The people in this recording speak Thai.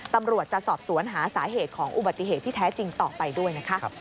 ตำรวจจะสอบสวนหาสาเหตุของอุบัติเหตุที่แท้จริงต่อไปด้วยนะคะ